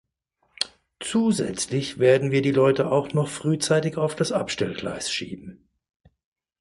Zusätzlich werden wir die Leute auch noch frühzeitig auf das Abstellgleis schieben.